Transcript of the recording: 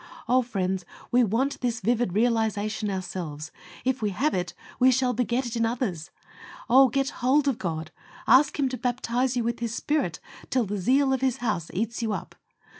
Oh! friends, we want this vivid realization ourselves. If we have it we shall beget it in others. Oh! get hold of God. Ask Him to baptize you with His Spirit "till the zeal of His house eats you up."